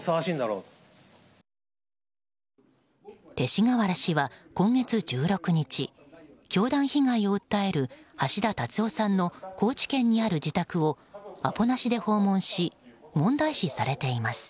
勅使河原氏は今月１６日教団被害を訴える橋田達夫さんの高知県にある自宅をアポなしで訪問し問題視されています。